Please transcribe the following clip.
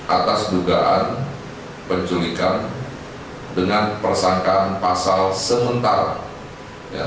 atas dugaan penculikan dengan persangkaan pasal sementara